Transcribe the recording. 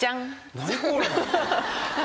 何これ。